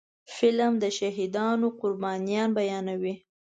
فلم د شهیدانو قربانيان بیانوي